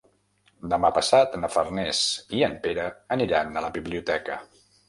Demà passat na Farners i en Pere aniran a la biblioteca.